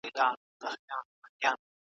منځنۍ پېړۍ د اروپا د تاريخ مهمه برخه ده.